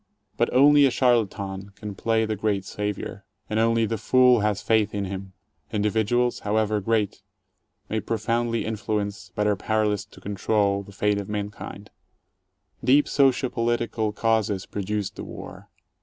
But only a charlatan can play the great Savior, and only the fool has faith in him. Individuals, however great, may profoundly influence, but are powerless to control, the fate of mankind. Deep socio political causes produced the war.